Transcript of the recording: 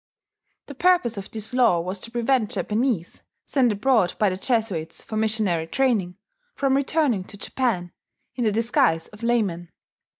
The purpose of this law was to prevent Japanese, sent abroad by the Jesuits for missionary training, from returning to Japan in the disguise of laymen.